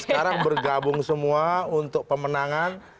sekarang bergabung semua untuk pemenangan